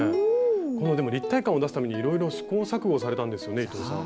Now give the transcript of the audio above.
このでも立体感を出すためにいろいろ試行錯誤されたんですよね伊藤さん。